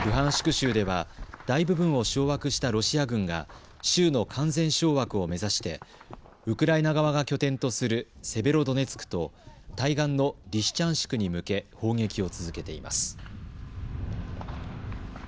州では大部分を掌握したロシア軍が州の完全掌握を目指してウクライナ側が拠点とするセベロドネツクと対岸のリシチャンシクに向け砲撃を続けています。